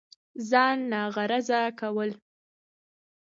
ځان ناغرضه كول